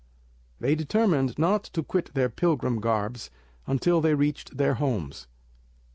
They determined not to quit their pilgrim garbs until they reached their homes.